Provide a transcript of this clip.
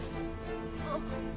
あっ。